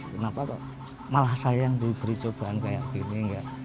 kenapa kok malah saya yang diberi cobaan kayak gini